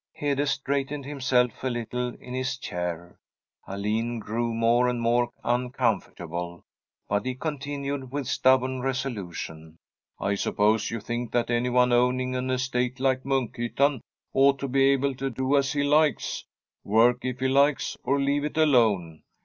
Hede straightened himself a little in his chair. Alin grew more and more uncomfortable, but he continued with stubborn resolution :* I suppose you think that anyone owning an estate like Munkhyttan ought to be able to do as he likes — work if he likes, or leave it alone.